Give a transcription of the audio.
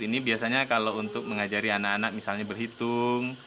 ini biasanya kalau untuk mengajari anak anak misalnya berhitung